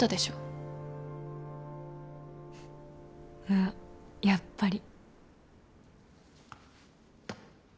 あっやっぱり。